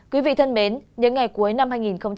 quý vị thân mến những ngày cuối năm hai nghìn hai mươi